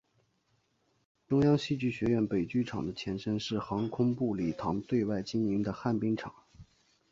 中央戏剧学院北剧场的前身是航空部礼堂对外经营的旱冰场。